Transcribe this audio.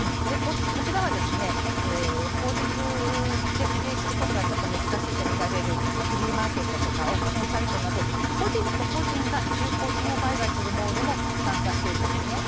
こちらは法律で規制することが難しいと見られるフリーマーケットやオークションサイトなど個人と個人が中古品を売買するモールも参加しているんです。